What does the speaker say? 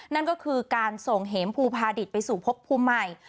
นั่นก็คือการส่งเห็มภูพาดิตไปสู่พบภูมิใหม่